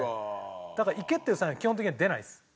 だからいけっていうサインは基本的には出ないです。